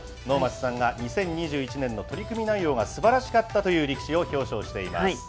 能町さんが２０２１年の取組内容がすばらしかったという力士を表彰しています。